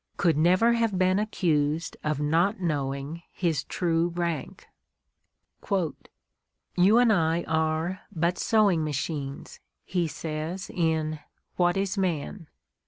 could never have been accused of not knowing his true rank. "You and I are but sewing machines," he says in "What Is Man?"